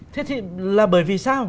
thế thì là bởi vì sao